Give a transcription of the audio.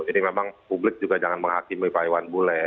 jadi memang publik juga jangan menghakimi pak iwan bule